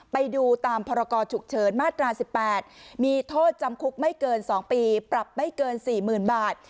ไปดูตามพรกรฉุกเฉินมาตรา๑๘มีโทษจำคุกไม่เกิน๒ปีปรับไม่เกิน๔๐๐๐บาท